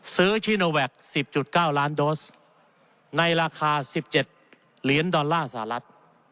ซีโนแวค๑๐๙ล้านโดสในราคา๑๗เหรียญดอลลาร์สหรัฐ